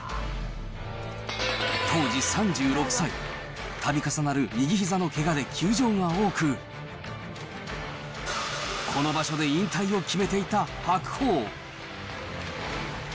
当時３６歳、たび重なる右ひざのけがで休場が多く、この場所で引退を決めていた白鵬。